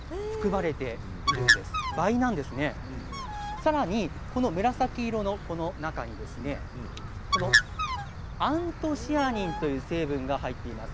さらに、紫色の中にアントシアニンという成分が含まれています。